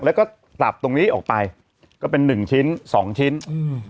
แล้วก็ปรับตรงนี้ออกไปก็เป็นหนึ่งชิ้นสองชิ้นอืม